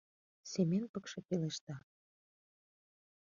— Семен пыкше пелешта.